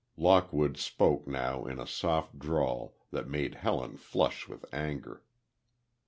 Lockwood spoke now in a soft drawl, that made Helen flush with anger.